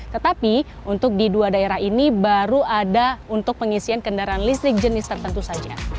tetapi untuk di dua daerah ini baru ada untuk pengisian kendaraan listrik jenis tertentu saja